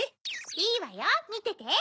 いいわよみてて！